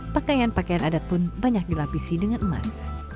pakaian pakaian adat pun banyak dilapisi dengan emas